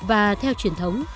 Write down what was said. và theo truyền thống